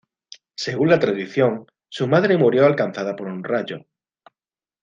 Según la tradición, su madre murió alcanzada por un rayo.